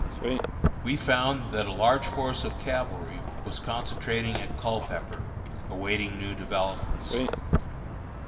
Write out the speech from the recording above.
We found that a large force of cavalry was concentrating at Culpepper, awaiting new developments.